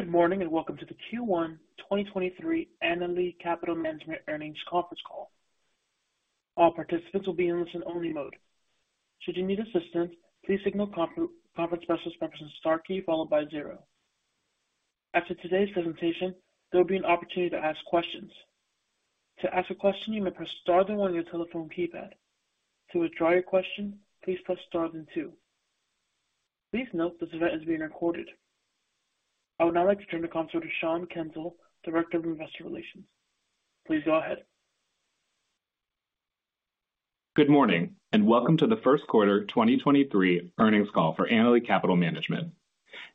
Good morning. Welcome to the Q1 2023 Annaly Capital Management Earnings Conference Call. All participants will be in listen only mode. Should you need assistance, please signal conference by pressing star key followed by zero. After today's presentation, there will be an opportunity to ask questions. To ask a question, you may press star then one on your telephone keypad. To withdraw your question, please press star then two. Please note this event is being recorded. I would now like to turn the call over to Sean Kensil, Director of Investor Relations. Please go ahead. Good morning and welcome to the First Quarter 2023 Earnings Call for Annaly Capital Management.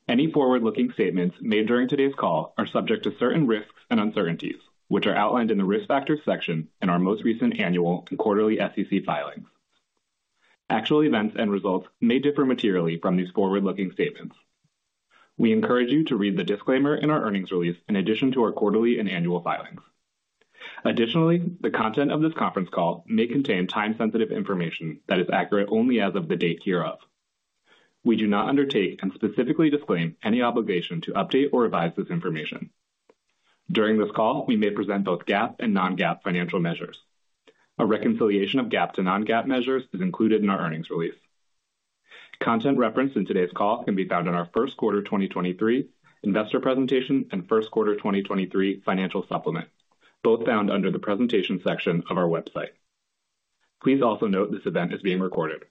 Any forward-looking statements made during today's call are subject to certain risks and uncertainties, which are outlined in the Risk Factors section in our most recent annual and quarterly SEC filings. Actual events and results may differ materially from these forward-looking statements. We encourage you to read the disclaimer in our earnings release in addition to our quarterly and annual filings. Additionally, the content of this conference call may contain time-sensitive information that is accurate only as of the date hereof. We do not undertake and specifically disclaim any obligation to update or revise this information. During this call, we may present both GAAP and non-GAAP financial measures. A reconciliation of GAAP to non-GAAP measures is included in our earnings release. Content referenced in today's call can be found in our First Quarter 2023 Investor Presentation and Q1 2023 Financial Supplement, both found under the Presentation section of our website. Please also note this event is being recorded.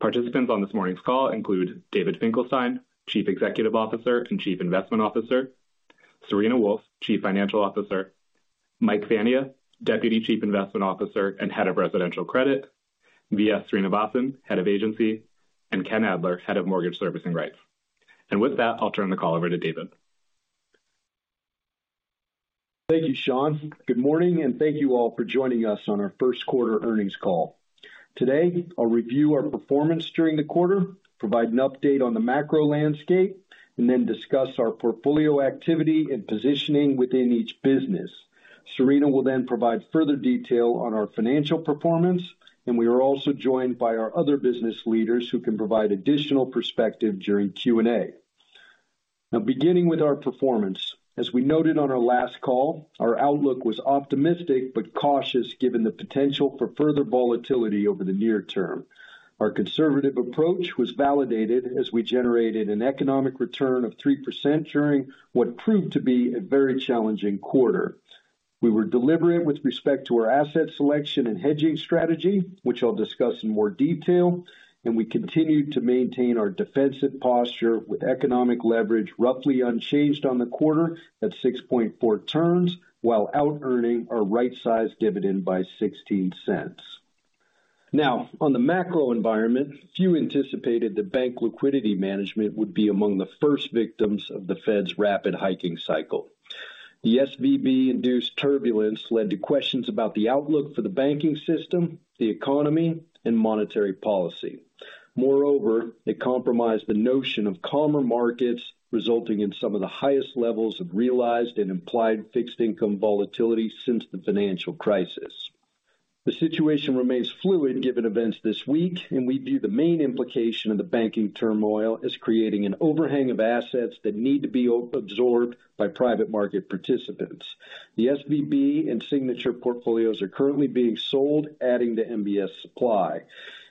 Participants on this morning's call include David Finkelstein, Chief Executive Officer and Chief Investment Officer; Serena Wolfe, Chief Financial Officer; Mike Fania, Deputy Chief Investment Officer and Head of Residential Credit; V.S. Srinivasan, Head of Agency; and Ken Adler, Head of Mortgage Servicing Rights. With that, I'll turn the call over to David. Thank you, Sean. Good morning, and thank you all for joining us on our First Quarter Earnings Call. Today, I'll review our performance during the quarter, provide an update on the macro landscape, and then discuss our portfolio activity and positioning within each business. Serena will then provide further detail on our financial performance, and we are also joined by our other business leaders who can provide additional perspective during Q&A. Now, beginning with our performance. As we noted on our last call, our outlook was optimistic but cautious, given the potential for further volatility over the near term. Our conservative approach was validated as we generated an economic return of 3% during what proved to be a very challenging quarter. We were deliberate with respect to our asset selection and hedging strategy, which I'll discuss in more detail, and we continued to maintain our defensive posture with economic leverage roughly unchanged on the quarter at 6.4 terms, while out-earning our rightsized dividend by $0.16. Now, on the macro environment, few anticipated that bank liquidity management would be among the first victims of the Fed's rapid hiking cycle. The SVB-induced turbulence led to questions about the outlook for the banking system, the economy, and monetary policy. Moreover, it compromised the notion of calmer markets, resulting in some of the highest levels of realized and implied fixed income volatility since the financial crisis. The situation remains fluid given events this week, we view the main implication of the banking turmoil as creating an overhang of assets that need to be absorbed by private market participants. The SVB and Signature portfolios are currently being sold, adding to MBS supply.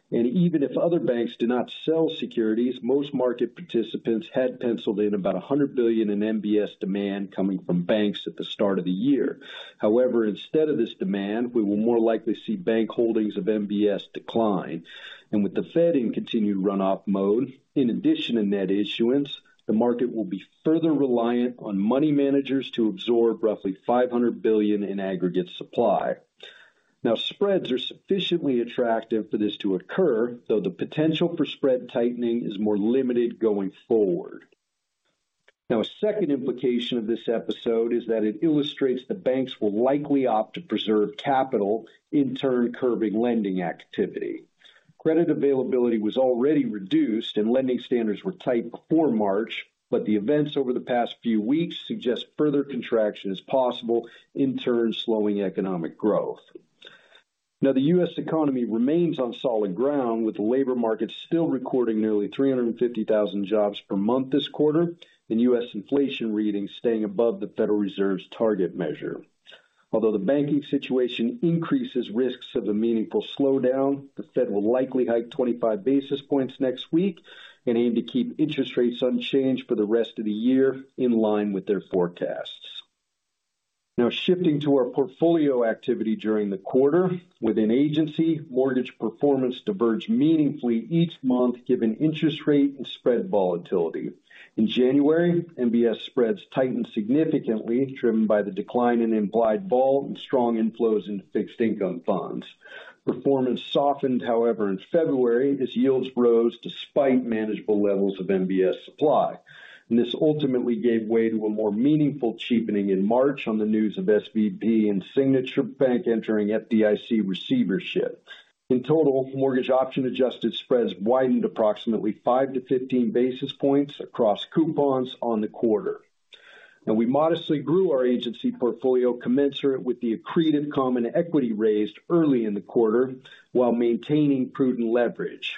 Even if other banks do not sell securities, most market participants had penciled in about $100 billion in MBS demand coming from banks at the start of the year. However, instead of this demand, we will more likely see bank holdings of MBS decline. With the Fed in continued runoff mode, in addition to net issuance, the market will be further reliant on money managers to absorb roughly $500 billion in aggregate supply. Spreads are sufficiently attractive for this to occur, though the potential for spread tightening is more limited going forward. A second implication of this episode is that it illustrates that banks will likely opt to preserve capital, in turn curbing lending activity. Credit availability was already reduced and lending standards were tight before March. But, the events over the past few weeks suggest further contraction is possible, in turn slowing economic growth. The U.S. economy remains on solid ground, with labor markets still recording nearly 350,000 jobs per month this quarter and U.S. inflation readings staying above the Federal Reserve's target measure. Although the banking situation increases risks of a meaningful slowdown, the Fed will likely hike 25 basis points next week and aim to keep interest rates unchanged for the rest of the year, in line with their forecasts. Shifting to our portfolio activity during the quarter. Within agency, mortgage performance diverged meaningfully each month given interest rate and spread volatility. In January, MBS spreads tightened significantly, driven by the decline in implied vol and strong inflows into fixed income funds. Performance softened, however, in February as yields rose despite manageable levels of MBS supply. This ultimately gave way to a more meaningful cheapening in March on the news of SVB and Signature Bank entering FDIC receivership. In total, mortgage option-adjusted spreads widened approximately 5-15 basis points across coupons on the quarter. We modestly grew our agency portfolio commensurate with the accreted common equity raised early in the quarter while maintaining prudent leverage.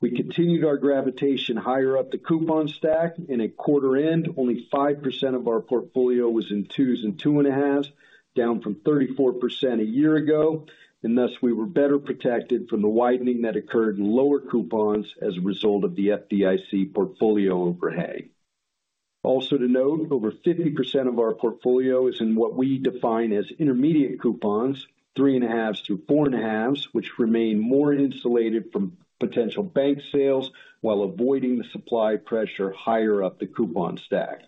We continued our gravitation higher up the coupon stack. In a quarter end, only 5% of our portfolio was in twos and two and a halfs, down from 34% a year ago. Thus, we were better protected from the widening that occurred in lower coupons as a result of the FDIC portfolio overhang. Also, to note, over 50% of our portfolio is in what we define as intermediate coupons, 3.5s-4.5s, which remain more insulated from potential bank sales while avoiding the supply pressure higher up the coupon stack.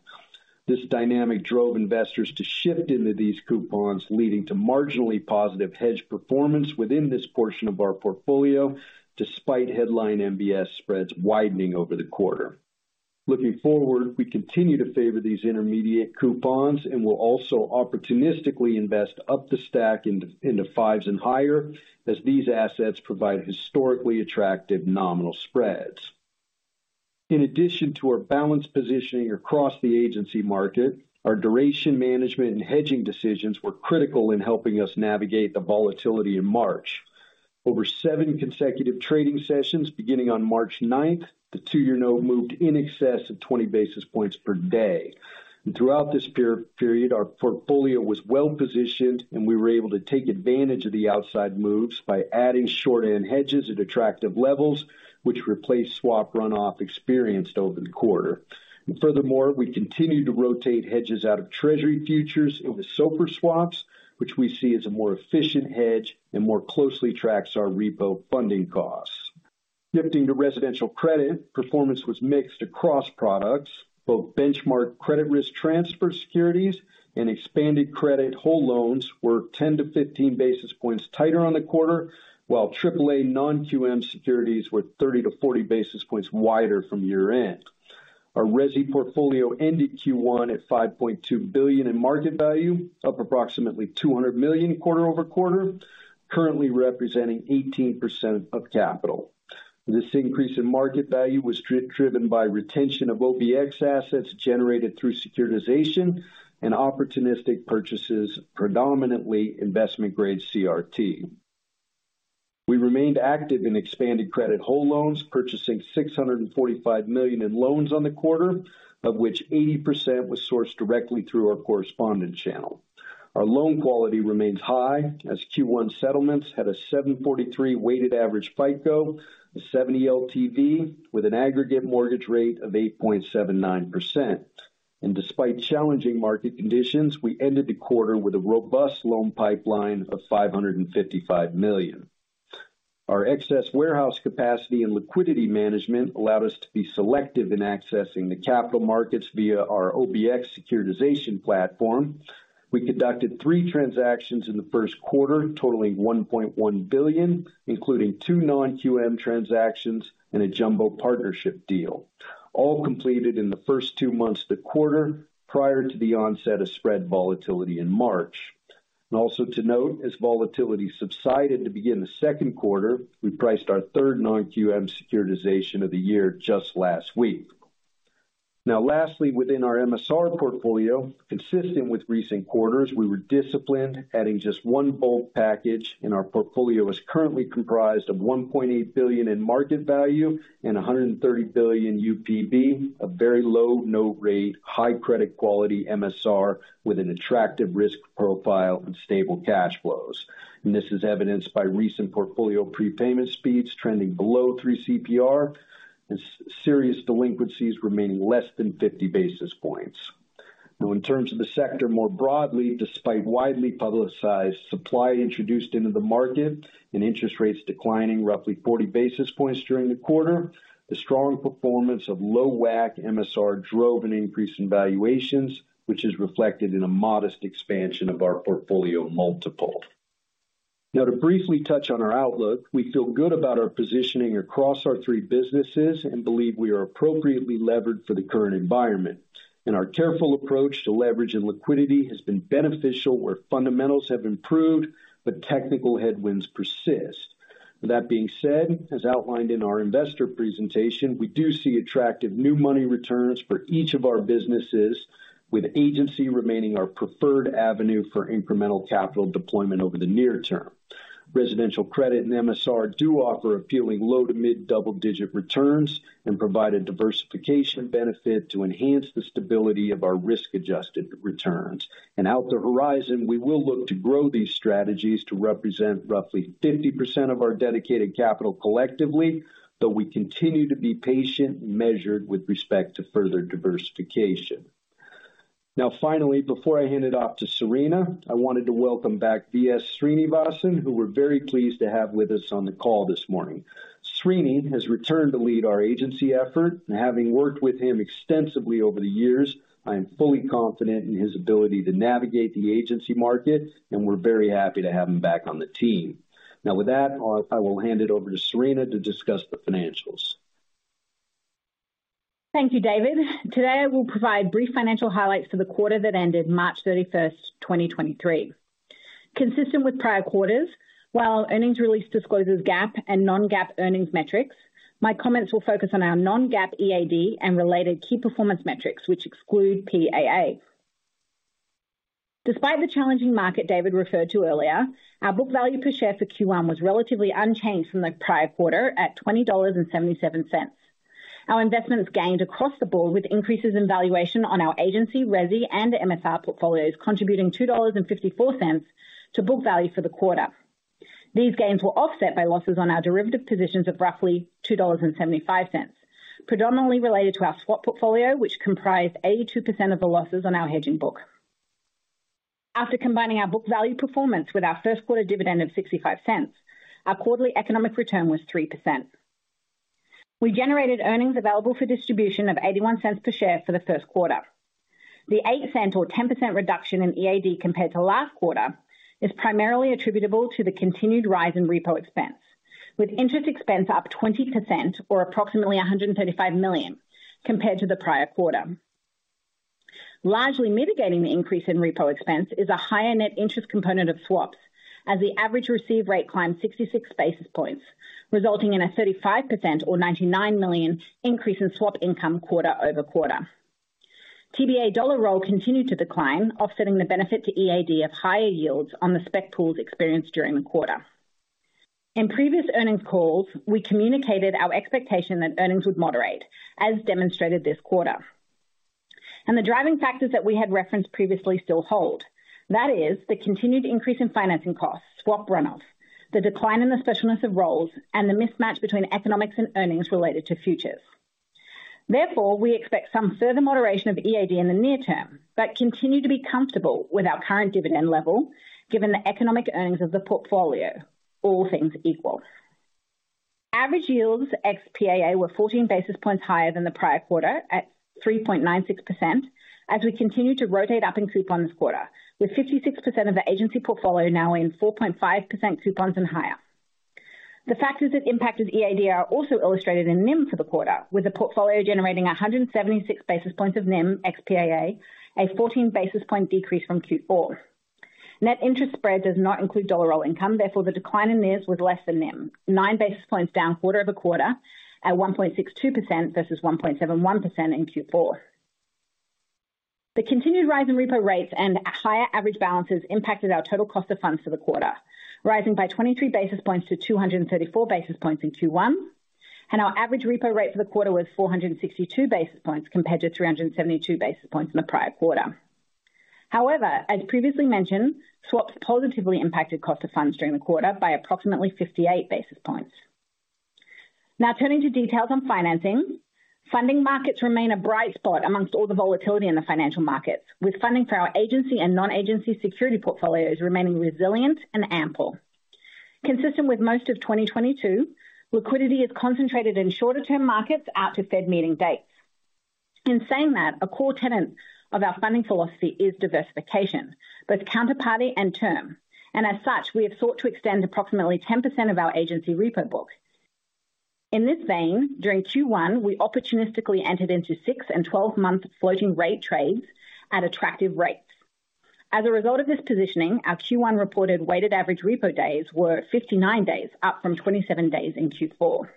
This dynamic drove investors to shift into these coupons, leading to marginally positive hedge performance within this portion of our portfolio, despite headline MBS spreads widening over the quarter. Looking forward, we continue to favor these intermediate coupons and will also opportunistically invest up the stack into 5s and higher, as these assets provide historically attractive nominal spreads. In addition to our balanced positioning across the agency market, our duration management and hedging decisions were critical in helping us navigate the volatility in March. Over seven consecutive trading sessions, beginning on March 9th, the two-year note moved in excess of 20 basis points per day. Throughout this period, our portfolio was well-positioned, we were able to take advantage of the outside moves by adding short-end hedges at attractive levels, which replaced swap runoff experienced over the quarter. Furthermore, we continued to rotate hedges out of Treasury futures into SOFR swaps, which we see as a more efficient hedge and more closely tracks our repo funding costs. Shifting to residential credit, performance was mixed across products. Both benchmark credit risk transfer securities and expanded credit whole loans were 10-15 basis points tighter on the quarter, while triple A non-QM securities were 30-40 basis points wider from year-end. Our resi portfolio ended Q1 at $5.2 billion in market value, up approximately $200 million quarter-over-quarter, currently representing 18% of capital. This increase in market value was driven by retention of OBX assets generated through securitization and opportunistic purchases, predominantly investment-grade CRT. We remained active in expanded credit whole loans, purchasing $645 million in loans on the quarter, of which 80% was sourced directly through our correspondent channel. Our loan quality remains high, as Q1 settlements had a 743 weighted average FICO, a 70 LTV with an aggregate mortgage rate of 8.79%. Despite challenging market conditions, we ended the quarter with a robust loan pipeline of $555 million. Our excess warehouse capacity and liquidity management allowed us to be selective in accessing the capital markets via our OBX securitization platform. We conducted three transactions in the first quarter, totaling $1.1 billion, including two non-QM transactions and a jumbo partnership deal, all completed in the first two months of the quarter prior to the onset of spread volatility in March. Also to note, as volatility subsided to begin the second quarter, we priced our third non-QM securitization of the year just last week. Lastly, within our MSR portfolio, consistent with recent quarters, we were disciplined, adding just one bulk package, and our portfolio is currently comprised of $1.8 billion in market value and 130 billion UPB, a very low note rate, high credit quality MSR with an attractive risk profile and stable cash flows. This is evidenced by recent portfolio prepayment speeds trending below three CPR, and serious delinquencies remaining less than 50 basis points. Now in terms of the sector more broadly, despite widely publicized supply introduced into the market and interest rates declining roughly 40 basis points during the quarter, the strong performance of low WAC MSR drove an increase in valuations, which is reflected in a modest expansion of our portfolio multiple. Now to briefly touch on our outlook, we feel good about our positioning across our three businesses and believe we are appropriately levered for the current environment. Our careful approach to leverage and liquidity has been beneficial where fundamentals have improved but technical headwinds persist. That being said, as outlined in our investor presentation, we do see attractive new money returns for each of our businesses, with Agency remaining our preferred avenue for incremental capital deployment over the near term. Residential credit and MSR do offer appealing low to mid double-digit returns and provide a diversification benefit to enhance the stability of our risk-adjusted returns. Out the horizon, we will look to grow these strategies to represent roughly 50% of our dedicated capital collectively, though we continue to be patient and measured with respect to further diversification. Finally, before I hand it off to Serena, I wanted to welcome back V.S. Srinivasan, who we're very pleased to have with us on the call this morning. Srini has returned to lead our agency effort. Having worked with him extensively over the years, I am fully confident in his ability to navigate the agency market, and we're very happy to have him back on the team. With that, I will hand it over to Serena to discuss the financials. Thank you, David. Today, I will provide brief financial highlights for the quarter that ended March 31st, 2023. Consistent with prior quarters, while earnings release discloses GAAP and non-GAAP earnings metrics, my comments will focus on our non-GAAP EAD and related key performance metrics, which exclude PAA. Despite the challenging market David referred to earlier, our book value per share for Q1 was relatively unchanged from the prior quarter at $20.77. Our investments gained across the board with increases in valuation on our agency resi and MSR portfolios, contributing $2.54 to book value for the quarter. These gains were offset by losses on our derivative positions of roughly $2.75, predominantly related to our swap portfolio, which comprised 82% of the losses on our hedging book. After combining our book value performance with our first quarter dividend of $0.65, our quarterly economic return was 3%. We generated earnings available for distribution of $0.81 per share for the first quarter. The $0.08 or 10% reduction in EAD compared to last quarter is primarily attributable to the continued rise in repo expense, with interest expense up 20% or approximately $135 million compared to the prior quarter. Largely mitigating the increase in repo expense is a higher net interest component of swaps as the average receive rate climbed 66 basis points, resulting in a 35% or $99 million increase in swap income quarter-over-quarter. TBA dollar roll continued to decline, offsetting the benefit to EAD of higher yields on the spec pools experienced during the quarter. In previous earnings calls, we communicated our expectation that earnings would moderate, as demonstrated this quarter. The driving factors that we had referenced previously still hold. That is the continued increase in financing costs, swap runoffs, the decline in the specialness of rolls, and the mismatch between economics and earnings related to futures. Therefore, we expect some further moderation of EAD in the near term, but continue to be comfortable with our current dividend level given the economic earnings of the portfolio, all things equal. Average yields ex PAA were 14 basis points higher than the prior quarter at 3.96% as we continue to rotate up in coupons quarter, with 56% of the agency portfolio now in 4.5% coupons and higher. The factors that impacted EAD are also illustrated in NIM for the quarter, with the portfolio generating 176 basis points of NIM ex PAA, a 14 basis point decrease from Q4. Net interest spread does not include dollar roll income. Therefore, the decline in NIRS was less than NIM. 9 basis points down quarter-over-quarter at 1.62% versus 1.71% in Q4. The continued rise in repo rates and higher average balances impacted our total cost of funds for the quarter, rising by 23 basis points to 234 basis points in Q1. Our average repo rate for the quarter was 462 basis points compared to 372 basis points in the prior quarter. However, as previously mentioned, swaps positively impacted cost of funds during the quarter by approximately 58 basis points. Turning to details on financing. Funding markets remain a bright spot amongst all the volatility in the financial markets, with funding for our agency and non-agency security portfolios remaining resilient and ample. Consistent with most of 2022, liquidity is concentrated in shorter term markets out to Fed meeting dates. As such, we have sought to extend approximately 10% of our agency repo book. In this vein, during Q1, we opportunistically entered into six and 12-month floating rate trades at attractive rates. As a result of this positioning, our Q1 reported weighted average repo days were 59 days, up from 27 days in Q4.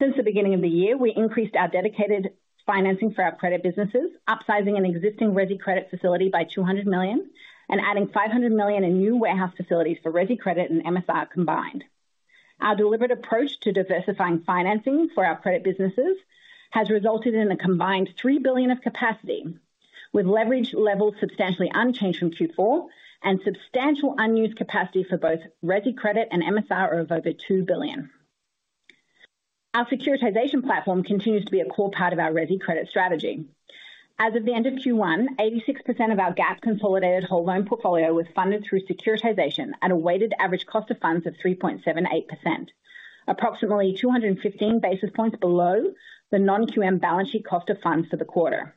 Since the beginning of the year, we increased our dedicated financing for our credit businesses, upsizing an existing resi credit facility by $200 million and adding $500 million in new warehouse facilities for resi credit and MSR combined. Our deliberate approach to diversifying financing for our credit businesses has resulted in a combined $3 billion of capacity, with leverage levels substantially unchanged from Q4 and substantial unused capacity for both resi credit and MSR of over $2 billion. Our securitization platform continues to be a core part of our resi credit strategy. As of the end of Q1, 86% of our GAAP consolidated whole loan portfolio was funded through securitization at a weighted average cost of funds of 3.78%. Approximately 215 basis points below the non-QM balance sheet cost of funds for the quarter.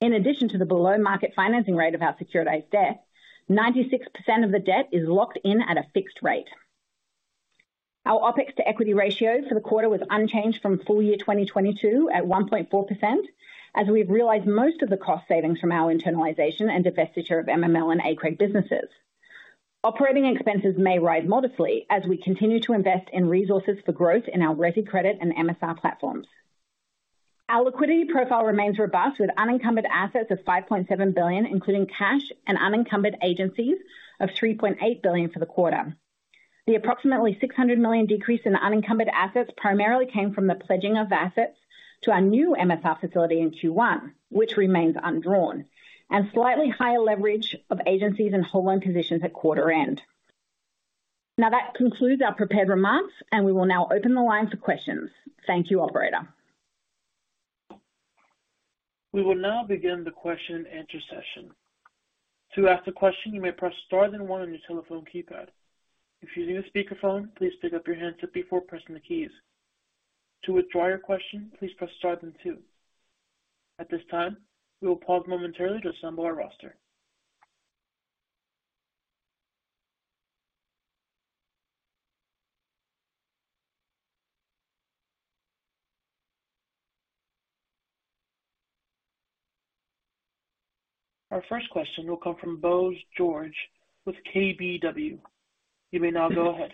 In addition to the below market financing rate of our securitized debt, 96% of the debt is locked in at a fixed rate. Our OPEX to equity ratio for the quarter was unchanged from full year 2022 at 1.4%, as we've realized most of the cost savings from our internalization and divestiture of MML and ACREG businesses. Operating expenses may rise modestly as we continue to invest in resources for growth in our resi credit and MSR platforms. Our liquidity profile remains robust, with unencumbered assets of $5.7 billion, including cash and unencumbered agencies of $3.8 billion for the quarter. The approximately $600 million decrease in unencumbered assets primarily came from the pledging of assets to our new MSR facility in Q1, which remains undrawn, and slightly higher leverage of agencies and whole loan positions at quarter end. That concludes our prepared remarks. We will now open the line for questions. Thank you, operator. We will now begin the question and answer session. To ask a question, you may press star then one on your telephone keypad. If using a speakerphone, please pick up your handset before pressing the keys. To withdraw your question, please press star then two. At this time, we will pause momentarily to assemble our roster. Our first question will come from Bose George with KBW. You may now go ahead.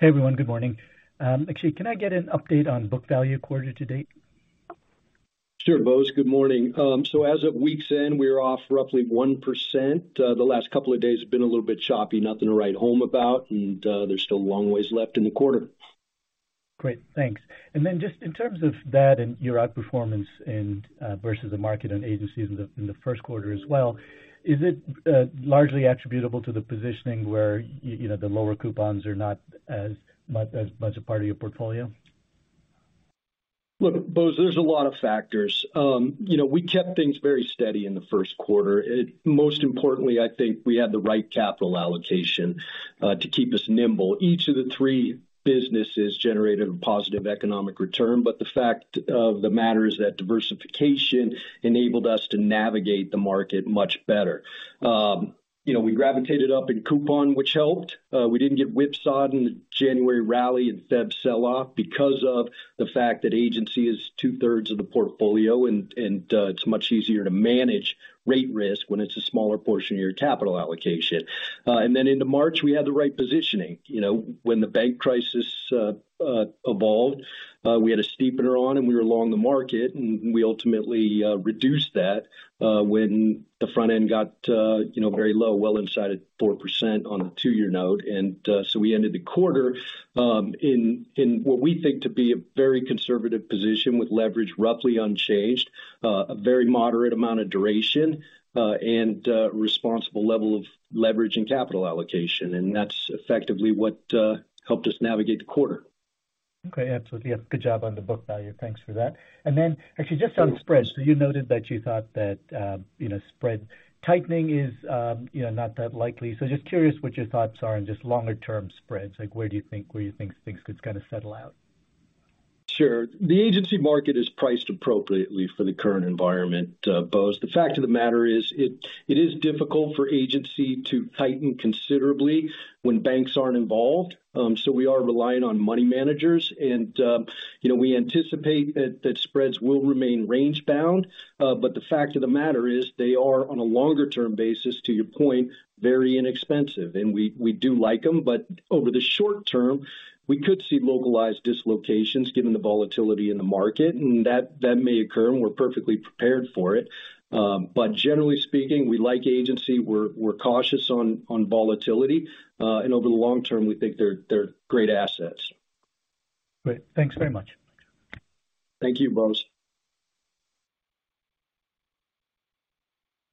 Hey, everyone. Good morning. actually, can I get an update on book value quarter to date? Sure, Bose. Good morning. As of week's end, we are off roughly 1%. The last couple of days have been a little bit choppy, nothing to write home about, and there's still a long ways left in the quarter. Great. Thanks. Just in terms of that and your outperformance in versus the market and agencies in the first quarter as well, is it largely attributable to the positioning where you know, the lower coupons are not as much a part of your portfolio? Look, Bose, there's a lot of factors. You know, we kept things very steady in the first quarter. Most importantly, I think we had the right capital allocation to keep us nimble. Each of the three businesses generated a positive economic return, but the fact of the matter is that diversification enabled us to navigate the market much better. You know, we gravitated up in coupon, which helped. We didn't get whipsawed in the January rally and February sell-off because of the fact that agency is two-thirds of the portfolio and it's much easier to manage rate risk when it's a smaller portion of your capital allocation. Into March, we had the right positioning. You know, when the bank crisis evolved, we had a steepener on, and we were along the market, and we ultimately reduced that when the front end got, you know, very low, well inside of 4% on a two-year note. So we ended the quarter in what we think to be a very conservative position with leverage roughly unchanged, a very moderate amount of duration, and responsible level of leverage and capital allocation. That's effectively what helped us navigate the quarter. Okay. Absolutely. Good job on the book value. Thanks for that. Then actually just on spreads, you noted that you thought that, you know, spread tightening is, you know, not that likely. Just curious what your thoughts are on just longer term spreads, like where do you think things could kind of settle out? Sure. The Agency market is priced appropriately for the current environment, Bose. The fact of the matter is it is difficult for Agency to tighten considerably when banks aren't involved. We are relying on money managers. You know, we anticipate that spreads will remain range bound. The fact of the matter is they are on a longer term basis, to your point, very inexpensive. We do like them. Over the short term, we could see localized dislocations given the volatility in the market. That may occur, and we're perfectly prepared for it. Generally speaking, we like Agency. We're cautious on volatility. Over the long term, we think they're great assets. Great. Thanks very much. Thank you, Bose.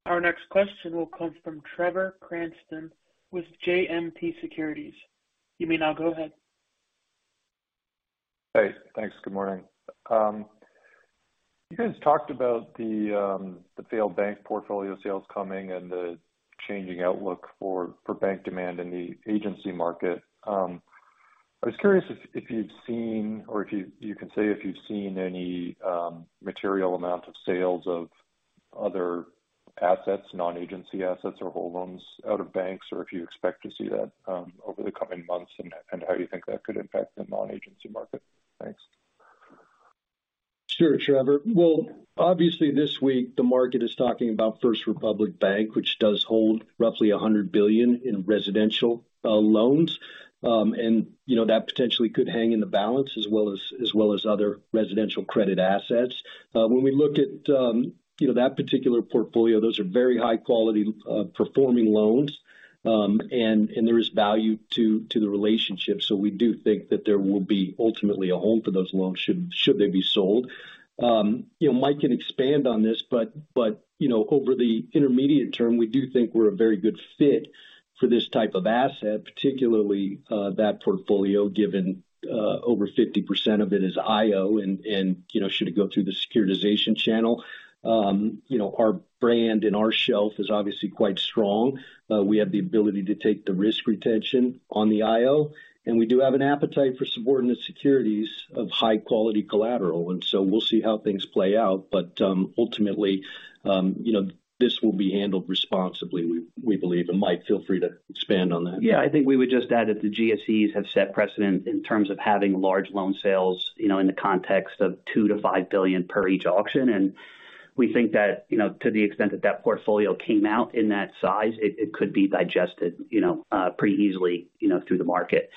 Our next question will come from Trevor Cranston with JMP Securities. You may now go ahead. Hey, thanks. Good morning. You guys talked about the failed bank portfolio sales coming and the changing outlook for bank demand in the agency market. I was curious if you've seen or if you can say if you've seen any material amount of sales of other assets, non-agency assets or whole loans out of banks or if you expect to see that over the coming months and how you think that could impact the non-agency market. Thanks. Sure, Trevor. Well, obviously this week the market is talking about First Republic Bank, which does hold roughly $100 billion in residential loans. You know, that potentially could hang in the balance as well as other residential credit assets. When we look at, you know, that particular portfolio, those are very high quality performing loans. There is value to the relationship. We do think that there will be ultimately a home for those loans should they be sold. You know, Mike can expand on this, but, you know, over the intermediate term, we do think we're a very good fit for this type of asset, particularly that portfolio given over 50% of it is IO. You know, should it go through the securitization channel, you know, our brand and our shelf is obviously quite strong. We have the ability to take the risk retention on the IO, and we do have an appetite for subordinate securities of high quality collateral. We'll see how things play out. Ultimately, you know, this will be handled responsibly, we believe. Mike, feel free to expand on that. Yeah. I think we would just add that the GSEs have set precedent in terms of having large loan sales, you know, in the context of $2 billion-$5 billion per each auction. We think that, you know, to the extent that that portfolio came out in that size, it could be digested, you know, pretty easily, you know, through the market.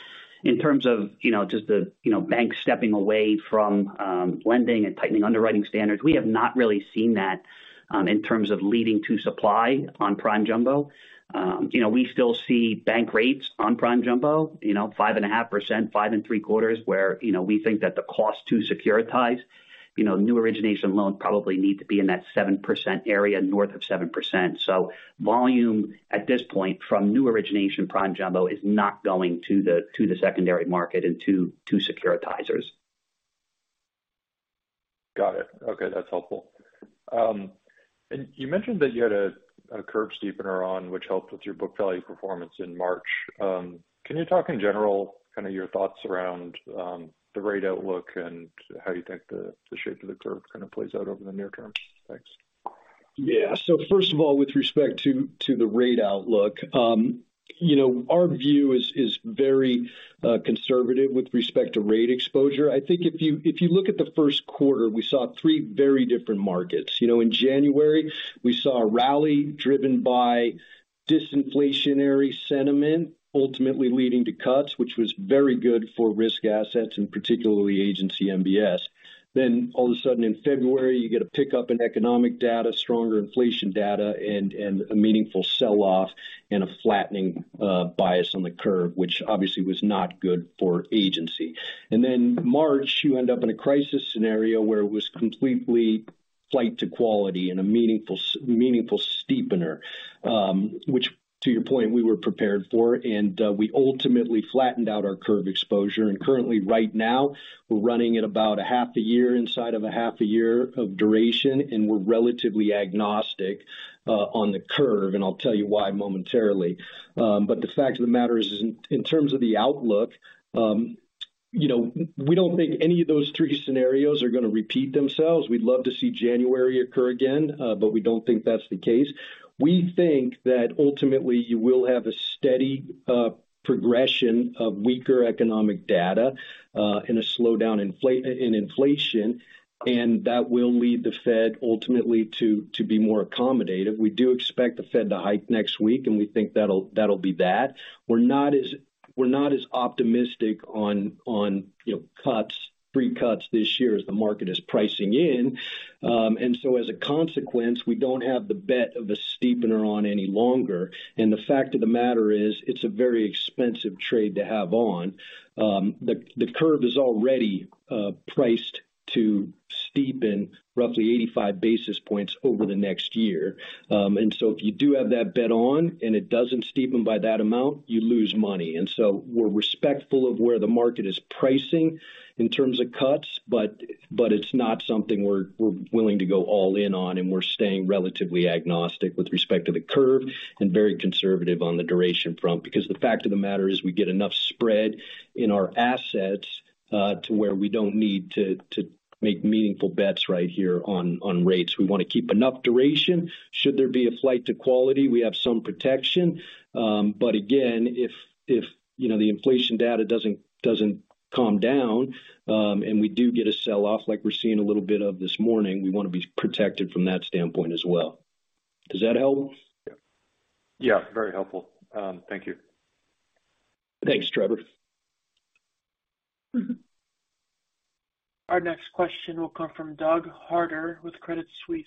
In terms of, you know, just the, you know, banks stepping away from lending and tightening underwriting standards, we have not really seen that in terms of leading to supply on prime jumbo. You know, we still see bank rates on prime jumbo, you know, 5.5%, 5.75%, where, you know, we think that the cost to securitize, you know, new origination loans probably need to be in that 7% area, north of 7%. Volume at this point from new origination prime jumbo is not going to the secondary market and to securitizers. Got it. Okay, that's helpful. You mentioned that you had a curve steepener on which helped with your book value performance in March. Can you talk in general kind of your thoughts around the rate outlook and how you think the shape of the curve kind of plays out over the near term? Thanks. Yeah. First of all, with respect to the rate outlook, you know, our view is very conservative with respect to rate exposure. I think if you look at the first quarter, we saw three very different markets. You know, in January, we saw a rally driven by disinflationary sentiment ultimately leading to cuts, which was very good for risk assets and particularly agency MBS. All of a sudden in February, you get a pickup in economic data, stronger inflation data and a meaningful sell-off and a flattening bias on the curve, which obviously was not good for agency. March, you end up in a crisis scenario where it was completely flight to quality and a meaningful steepener. Which to your point, we were prepared for, and we ultimately flattened out our curve exposure. Currently right now we're running at about a half a year inside of a half a year of duration, and we're relatively agnostic on the curve, and I'll tell you why momentarily. The fact of the matter is in terms of the outlook, you know, we don't think any of those three scenarios are gonna repeat themselves. We'd love to see January occur again, we don't think that's the case. We think that ultimately you will have a steady progression of weaker economic data and a slowdown in inflation, that will lead the Fed ultimately to be more accommodative. We do expect the Fed to hike next week, we think that'll be that. We're not as optimistic on, you know, cuts, three cuts this year as the market is pricing in. As a consequence, we don't have the bet of a steepener on any longer. The fact of the matter is it's a very expensive trade to have on. The curve is already priced to steepen roughly 85 basis points over the next year. If you do have that bet on and it doesn't steepen by that amount, you lose money. We're respectful of where the market is pricing in terms of cuts, but it's not something we're willing to go all in on, and we're staying relatively agnostic with respect to the curve and very conservative on the duration front. Because the fact of the matter is we get enough spread in our assets to where we don't need to make meaningful bets right here on rates. We wanna keep enough duration. Should there be a flight to quality, we have some protection. Again, if, you know, the inflation data doesn't calm down, and we do get a sell-off like we're seeing a little bit of this morning, we wanna be protected from that standpoint as well. Does that help? Yeah. Very helpful. Thank you. Thanks, Trevor. Our next question will come from Doug Harter with Credit Suisse.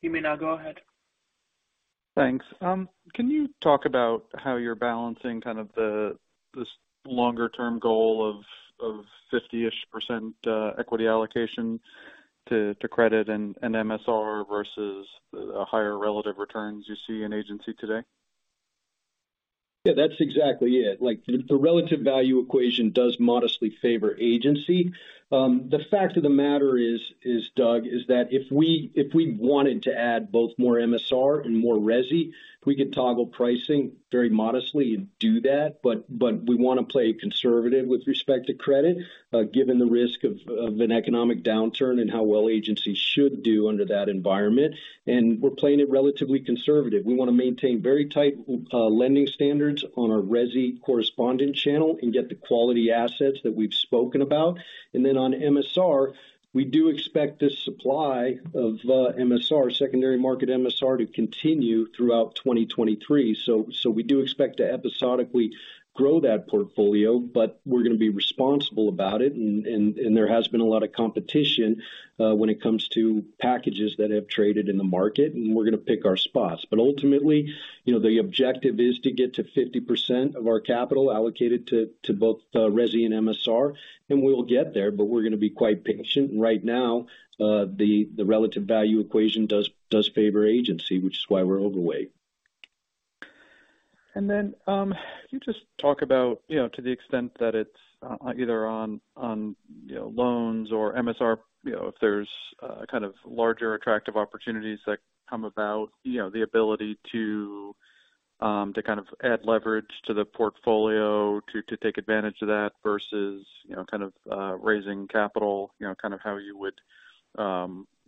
You may now go ahead. Thanks. Can you talk about how you're balancing kind of this longer term goal of 50-ish percent equity allocation to credit and MSR versus the higher relative returns you see in agency today? Yeah, that's exactly it. Like, the relative value equation does modestly favor Agency. The fact of the matter is, Doug, that if we wanted to add both more MSR and more resi, we could toggle pricing very modestly and do that. But we wanna play it conservative with respect to credit, given the risk of an economic downturn and how well agencies should do under that environment. We're playing it relatively conservative. We wanna maintain very tight lending standards on our resi correspondent channel and get the quality assets that we've spoken about. On MSR, we do expect this supply of MSR, secondary market MSR to continue throughout 2023. We do expect to episodically grow that portfolio, but we're gonna be responsible about it. There has been a lot of competition, when it comes to packages that have traded in the market, and we're gonna pick our spots. Ultimately, you know, the objective is to get to 50% of our capital allocated to both, resi and MSR, and we'll get there, but we're gonna be quite patient. Right now, the relative value equation does favor agency, which is why we're overweight. Can you just talk about, you know, to the extent that it's either on, you know, loans or MSR, you know, if there's kind of larger attractive opportunities that come about, you know, the ability to kind of add leverage to the portfolio to take advantage of that versus, you know, kind of raising capital. You know, kind of how you would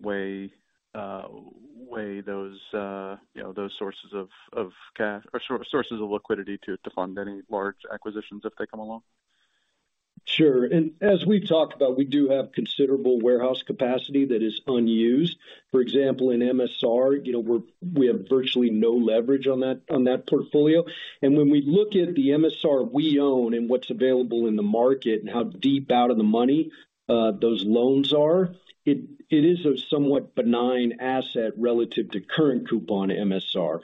weigh those, you know, those sources of sources of liquidity to fund any large acquisitions if they come along? Sure. As we've talked about, we do have considerable warehouse capacity that is unused. For example, in MSR, you know, we have virtually no leverage on that portfolio. When we look at the MSR we own and what's available in the market and how deep out of the money, those loans are, it is a somewhat benign asset relative to current coupon MSR.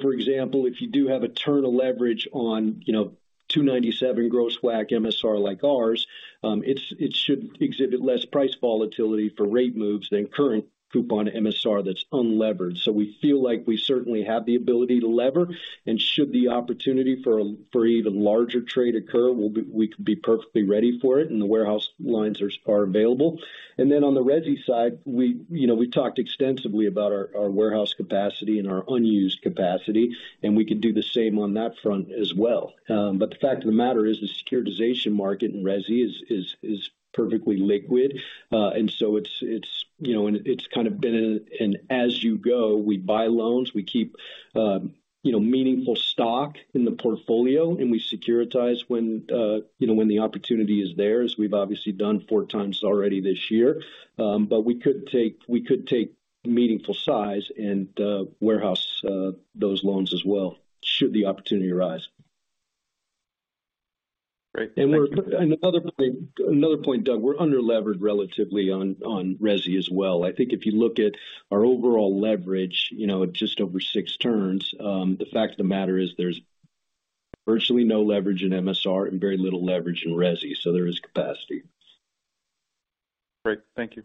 For example, if you do have a turn of leverage on, you know, 2.97 gross WAC MSR like ours, it should exhibit less price volatility for rate moves than current coupon MSR that's unlevered. We feel like we certainly have the ability to lever, and should the opportunity for even larger trade occur, we could be perfectly ready for it, and the warehouse lines are available. On the resi side, we, you know, we talked extensively about our warehouse capacity and our unused capacity, and we can do the same on that front as well. The fact of the matter is the securitization market in resi is perfectly liquid. It's, you know. It's kind of been an as you go. We buy loans. We keep, you know, meaningful stock in the portfolio, and we securitize when, you know, the opportunity is there, as we've obviously done four times already this year. We could take meaningful size and warehouse those loans as well should the opportunity arise. Great. Thank you. Another point, Doug, we're under-levered relatively on resi as well. I think if you look at our overall leverage, you know, at just over six turns, the fact of the matter is there's virtually no leverage in MSR and very little leverage in resi. There is capacity. Great. Thank you.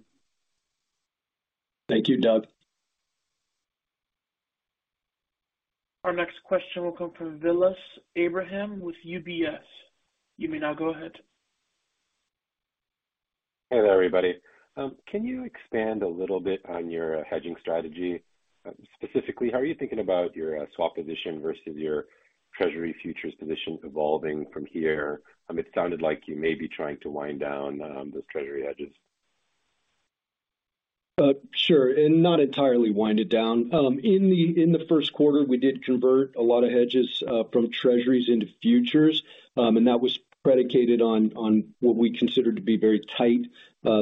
Thank you, Doug. Our next question will come from Vilas Abraham with UBS. You may now go ahead. Hey there, everybody. Can you expand a little bit on your hedging strategy? Specifically, how are you thinking about your swap position versus your Treasury futures position evolving from here? It sounded like you may be trying to wind down those Treasury hedges. Sure. Not entirely wind it down. In the first quarter, we did convert a lot of hedges from Treasuries into futures. That was predicated on what we consider to be very tight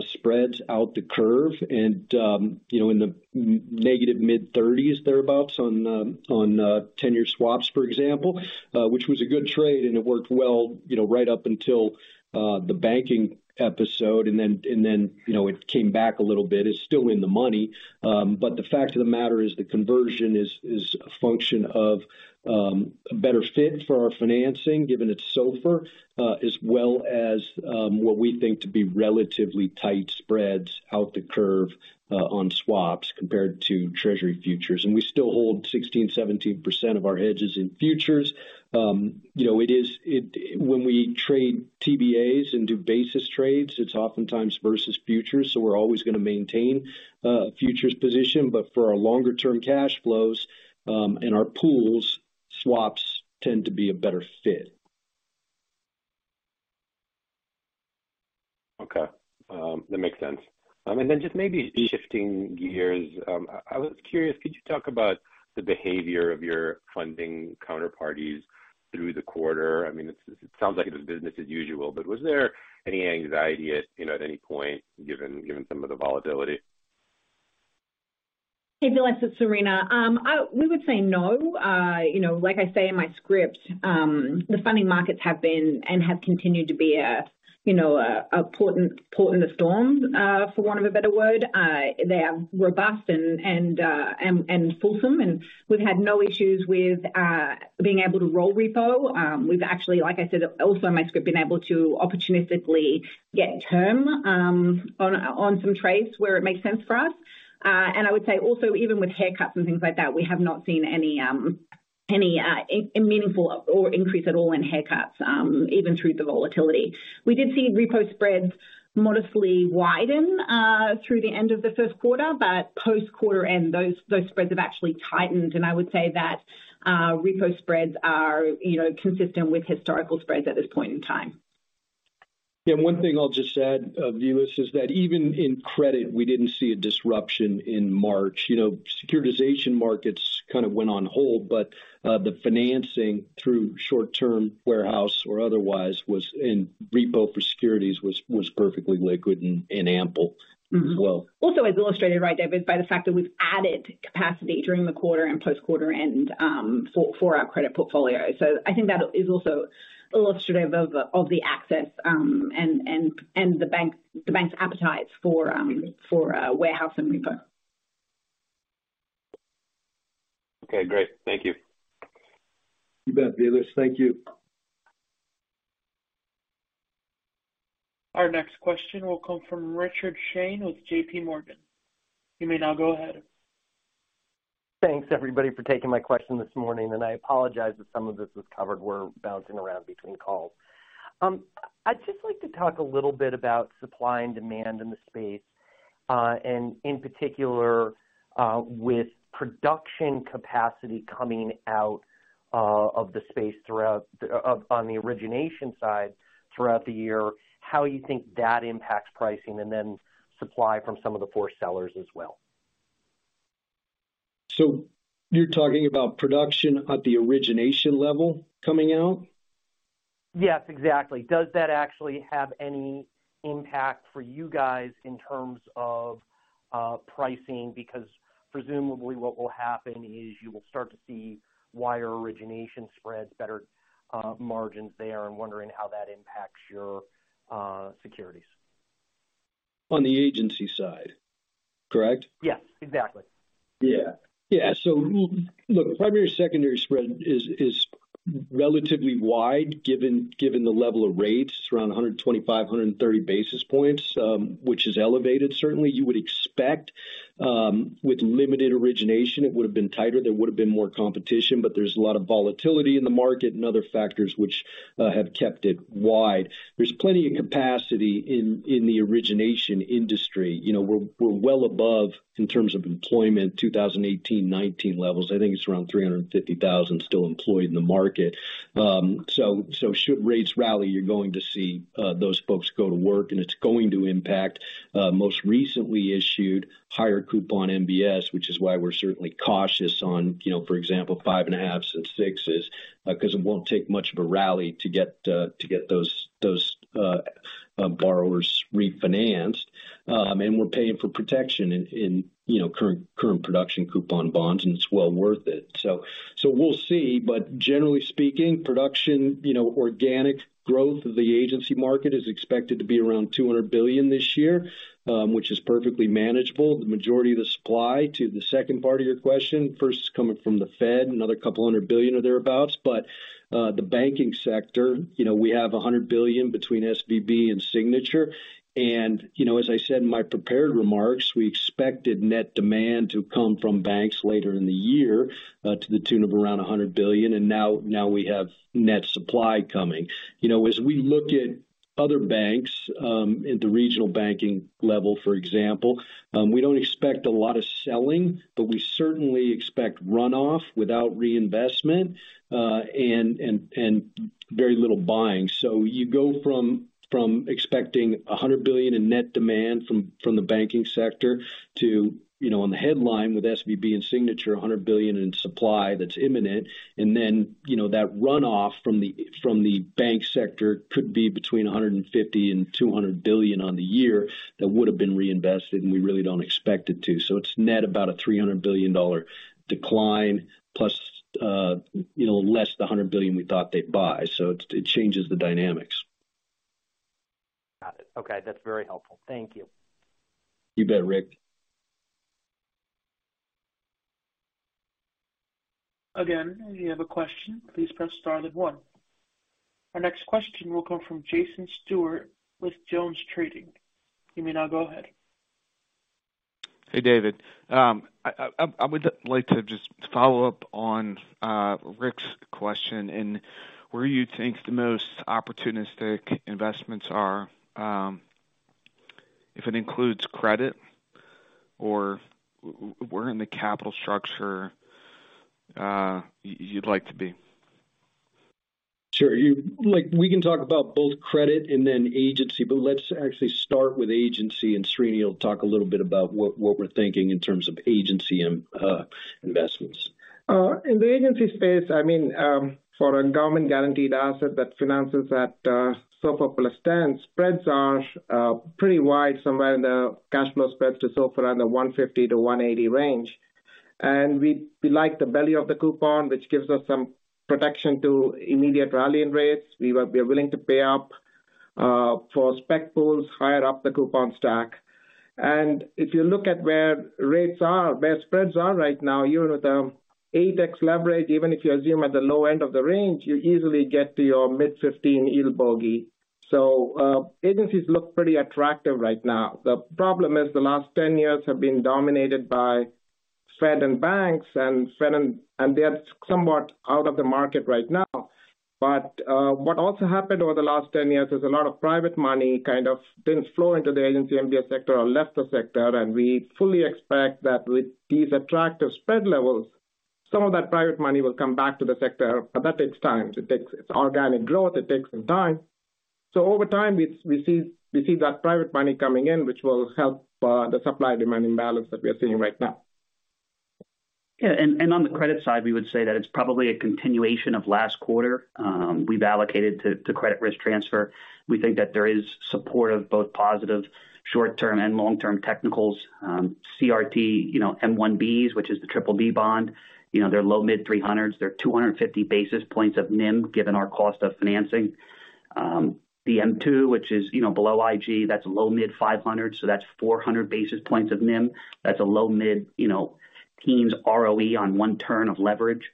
spreads out the curve. You know, in the negative mid-thirties, thereabouts on the tenure swaps, for example, which was a good trade, and it worked well, you know, right up until the banking episode. Then, you know, it came back a little bit. It's still in the money. The fact of the matter is the conversion is a function of a better fit for our financing given its SOFR, as well as what we think to be relatively tight spreads out the curve on swaps compared to Treasury futures. We still hold 16%, 17% of our hedges in futures. You know, when we trade TBAs and do basis trades, it's oftentimes versus futures, so we're always gonna maintain a futures position. For our longer term cash flows, and our pools, swaps tend to be a better fit. Okay. That makes sense. Just maybe shifting gears. I was curious, could you talk about the behavior of your funding counterparties through the quarter? I mean, it sounds like it was business as usual, but was there any anxiety at, you know, at any point given some of the volatility? Hey, Vilas. It's Serena. We would say no. You know, like I say in my script, the funding markets have been and have continued to be a, you know, a port in the storm for want of a better word. They are robust and fulsome. We've had no issues with being able to roll repo. We've actually, like I said, also in my script, been able to opportunistically get term on some trades where it makes sense for us. I would say also even with haircuts and things like that, we have not seen any meaningful or increase at all in haircuts even through the volatility. We did see repo spreads modestly widen, through the end of the first quarter, but post-quarter end, those spreads have actually tightened. I would say that, repo spreads are, you know, consistent with historical spreads at this point in time. Yeah. One thing I'll just add, Vilas, is that even in credit, we didn't see a disruption in March. You know, securitization markets kind of went on hold, but the financing through short-term warehouse or otherwise was in repo for securities was perfectly liquid and ample as well. Also, as illustrated right there by the fact that we've added capacity during the quarter and post-quarter end, for our credit portfolio. I think that is also illustrative of the access, and the bank's appetite for warehouse and repo. Okay, great. Thank you. You bet, Vilas. Thank you. Our next question will come from Richard Shane with JPMorgan. You may now go ahead. Thanks, everybody, for taking my question this morning. I apologize if some of this was covered. We're bouncing around between calls. I'd just like to talk a little bit about supply and demand in the space. In particular, with production capacity coming out of the space on the origination side throughout the year, how you think that impacts pricing, and then supply from some of the four sellers as well. You're talking about production at the origination level coming out? Yes, exactly. Does that actually have any impact for you guys in terms of, pricing? Because, presumably what will happen is you will start to see wider origination spreads, better, margins there. I'm wondering how that impacts your, securities. On the agency side, correct? Yes, exactly. Yeah. Yeah. look, primary, secondary spread is relatively wide given the level of rates around 125-130 basis points, which is elevated certainly you would expect. With limited origination, it would have been tighter, there would have been more competition, but there's a lot of volatility in the market and other factors which have kept it wide. There's plenty of capacity in the origination industry. You know, we're well above in terms of employment, 2018, 2019 levels. I think it's around 350,000 still employed in the market. Should rates rally, you're going to see those folks go to work, and it's going to impact most recently issued higher coupon MBS, which is why we're certainly cautious on, you know, for example, 5.5s and 6s, 'cause it won't take much of a rally to get those borrowers refinanced. We're paying for protection in, you know, current production coupon bonds, and it's well worth it. We'll see. Generally speaking, production, you know, organic growth of the agency market is expected to be around $200 billion this year, which is perfectly manageable. The majority of the supply to the second part of your question. First is coming from the Fed, another $200 billion or thereabouts. The banking sector, you know, we have $100 billion between SVB and Signature. You know, as I said in my prepared remarks, we expected net demand to come from banks later in the year, to the tune of around $100 billion. Now we have net supply coming. You know, as we look at other banks, at the regional banking level, for example, we don't expect a lot of selling, but we certainly expect runoff without reinvestment, and very little buying. You go from expecting $100 billion in net demand from the banking sector to, you know, on the headline with SVB and Signature, $100 billion in supply that's imminent. And then, you know, that runoff from the bank sector could be between $150 billion-$200 billion on the year that would have been reinvested, and we really don't expect it to. It's net about a $300 billion decline plus, you know, less the $100 billion we thought they'd buy. It changes the dynamics. Got it. Okay, that's very helpful. Thank you. You bet, Rick. Again, if you have a question, please press star then one. Our next question will come from Jason Stewart with JonesTrading. You may now go ahead. Hey, David. I would like to just follow up on Rick's question and where you think the most opportunistic investments are, if it includes credit or where in the capital structure, you'd like to be? Sure. Like, we can talk about both credit and then agency, but let's actually start with agency, and Srini will talk a little bit about what we're thinking in terms of agency and investments. In the agency space, I mean, for a government-guaranteed asset that finances at SOFR plus 10, spreads are pretty wide, somewhere in the cash flow spreads to SOFR around the 150-180 range. We like the belly of the coupon, which gives us some protection to immediate rally in rates. We are, we're willing to pay up for spec pools higher up the coupon stack. If you look at where rates are, where spreads are right now, even with the 8x leverage, even if you assume at the low end of the range, you easily get to your mid-15 yield bogey. Agencies look pretty attractive right now. The problem is the last 10 years have been dominated by Fed and banks, Fed and they are somewhat out of the market right now. What also happened over the last 10 years is a lot of private money kind of didn't flow into the Agency MBS sector or left the sector. We fully expect that with these attractive spread levels, some of that private money will come back to the sector, but that takes time. Its organic growth, it takes some time. Over time, we see that private money coming in, which will help the supply-demand imbalance that we are seeing right now. Yeah. On the credit side, we would say that it's probably a continuation of last quarter. We've allocated to credit risk transfer. We think that there is support of both positive short-term and long-term technicals. CRT, you know, M1Bs, which is the BBB bond. You know, they're low-mid 300s. They're 250 basis points of NIM, given our cost of financing. The M2, which is, you know, below IG, that's low-mid 500s, so that's 400 basis points of NIM. That's a low-mid teens ROE on one turn of leverage.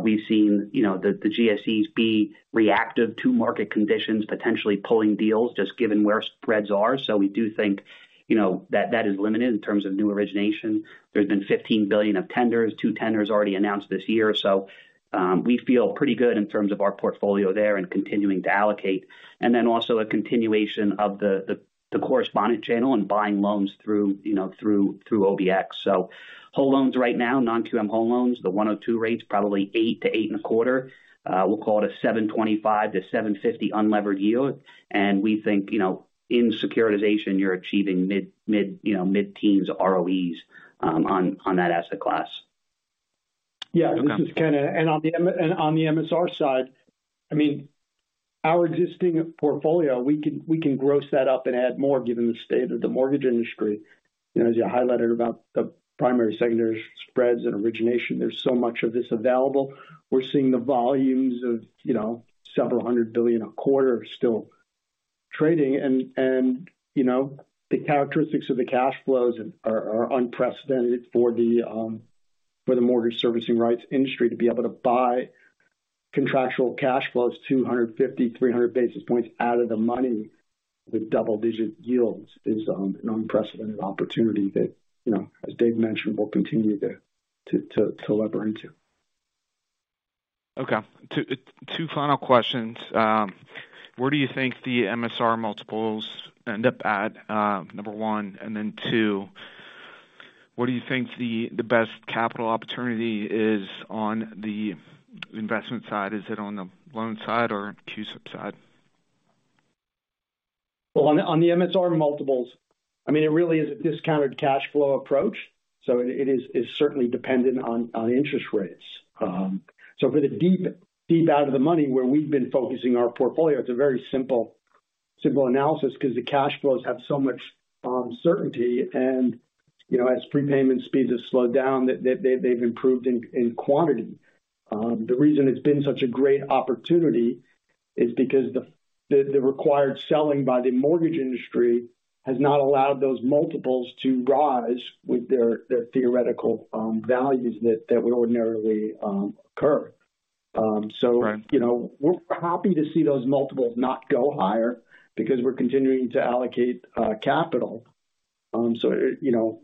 We've seen, you know, the GSEs be reactive to market conditions, potentially pulling deals just given where spreads are. We do think, you know, that that is limited in terms of new origination. There's been $15 billion of tenders, two tenders already announced this year. We feel pretty good in terms of our portfolio there and continuing to allocate. Also a continuation of the correspondent channel and buying loans through, you know, through OBX. Whole loans right now, non-QM home loans, the 102 rates probably 8%-8.25%. We'll call it a 7.25%-7.50% unlevered yield. We think, you know, in securitization, you're achieving mid-teens ROEs on that asset class. Yeah. This is Ken. On the MSR side, I mean, our existing portfolio, we can gross that up and add more given the state of the mortgage industry. You know, as you highlighted about the primary, secondary spreads and origination, there's so much of this available. We're seeing the volumes of, you know, several hundred billion a quarter still trading. You know, the characteristics of the cash flows are unprecedented for the mortgage servicing rights industry to be able to buy. Contractual cash flows 250, 300 basis points out of the money with double-digit yields is an unprecedented opportunity that, you know, as Dave mentioned, we'll continue to lever into. Okay. Two final questions. Where do you think the MSR multiples end up at, number one. And then, two, what do you think the best capital opportunity is on the investment side? Is it on the loan side or CUSIPs side? Well, on the MSR multiples, I mean, it really is a discounted cash flow approach, so it's certainly dependent on interest rates. For the deep out of the money where we've been focusing our portfolio, it's a very simple analysis because the cash flows have so much certainty. You know, as prepayment speeds have slowed down, they've improved in quantity. The reason it's been such a great opportunity is because the required selling by the mortgage industry has not allowed those multiples to rise with their theoretical values that would ordinarily occur. Right. You know, we're happy to see those multiples not go higher because we're continuing to allocate capital. You know,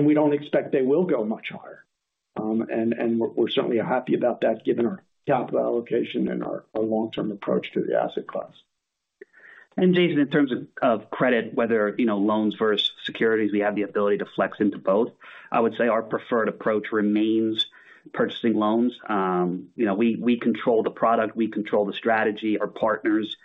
we don't expect they will go much higher. We're certainly happy about that given our capital allocation and our long-term approach to the asset class. Jason, in terms of credit, whether, you know, loans versus securities, we have the ability to flex into both. I would say our preferred approach remains purchasing loans. You know, we control the product, we control the strategy, our partners,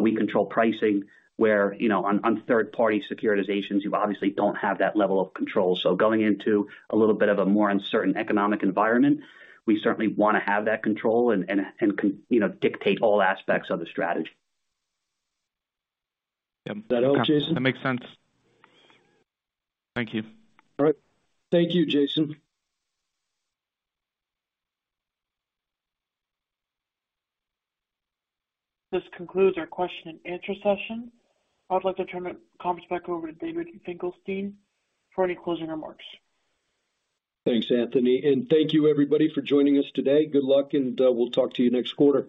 we control pricing, where, you know, on third-party securitizations, you obviously don't have that level of control. Going into a little bit of a more uncertain economic environment, we certainly wanna have that control and, you know, dictate all aspects of the strategy. Yeah. Is that all, Jason? That makes sense. Thank you. All right. Thank you, Jason. This concludes our question and answer session. I'd like to turn the conference back over to David Finkelstein for any closing remarks. Thanks, Anthony. Thank you, everybody, for joining us today. Good luck, and we'll talk to you next quarter.